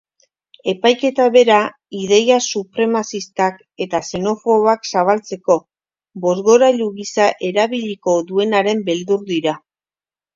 Epaiketa bere ideia supremazistak eta xenofoboak zabaltzeko bozgorailu gisa erabiliko duenaren beldur dira.